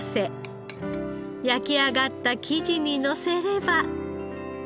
焼き上がった生地にのせれば。